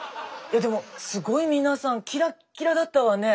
でもすごい皆さんキラッキラだったわね！